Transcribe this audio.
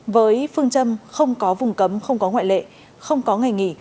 với phương châm không có vùng cấm không có ngoại lệ không có ngày nghỉ